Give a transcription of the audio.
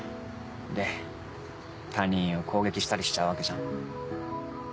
で他人を攻撃したりしちゃうわけじゃん。